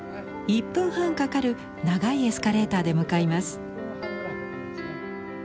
１分半かかる長いエスカレーターで向かいます。